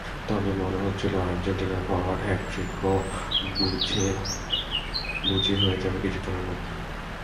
তখন মনে হচ্ছিল আর্জেন্টাইন ফরোয়ার্ডের হ্যাটট্রিকও বুঝি হয়ে যাবে কিছুক্ষণের মধ্যেই।